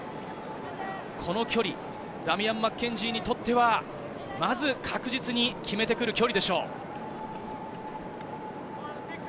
この距離、ダミアン・マッケンジーにとっては、まず確実に決めてくる距離でしょう。